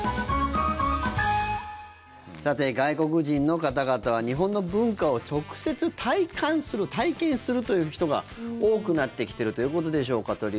さて、外国人の方々は日本の文化を直接体感する体験するという人が多くなってきているということでしょうか。